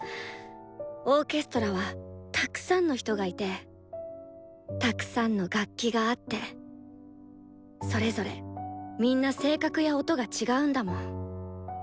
オーケストラはたくさんの人がいてたくさんの楽器があってそれぞれみんな性格や音が違うんだもん。